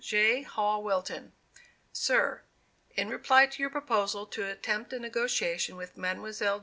J. HALL WILTON: SIR: In reply to your proposal to attempt a negotiation with Mlle.